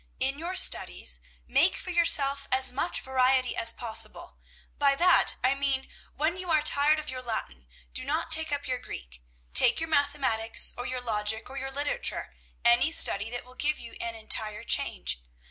In your studies, make for yourself as much variety as possible. By that, I mean when you are tired of your Latin do not take up your Greek; take your mathematics, or your logic, or your literature, any study that will give you an entire change.